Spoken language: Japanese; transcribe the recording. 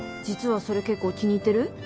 実はそれ結構気に入ってる？